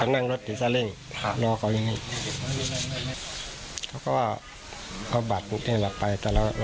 ไปนั่งรถที่ซะเร่งค่ะรอเขาอยู่นี่เขาก็ว่าเขาบัตรนี่แหละไป